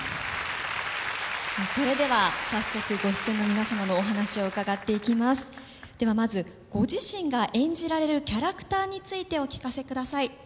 それでは早速ご出演の皆さまのお話を伺っていきますではまずご自身が演じられるキャラクターについてお聞かせください